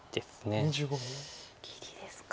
切りですか。